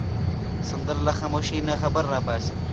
سندره له خاموشۍ نه خبرې را باسي